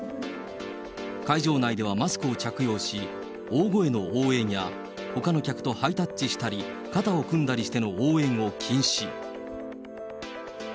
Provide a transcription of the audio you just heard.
会場内ではマスクを着用し、大声の応援や、ほかの客とハイタッチしたり、肩を組んだりしての応援を禁止。